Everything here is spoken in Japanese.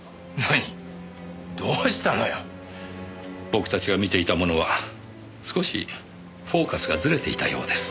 僕たちが見ていたものは少しフォーカスがずれていたようです。